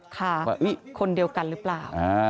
ค่ะว่าคนเดียวกันหรือเปล่า